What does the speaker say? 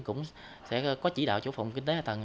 cũng sẽ có chỉ đạo chủ phòng kinh tế hai tầng